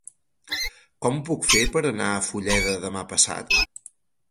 Com ho puc fer per anar a Fulleda demà passat?